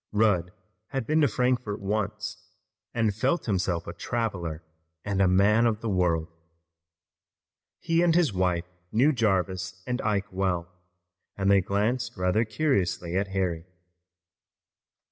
Rudd had been to Frankfort once and felt himself a traveler and man of the world. He and his wife knew Jarvis and Ike well, and they glanced rather curiously at Harry.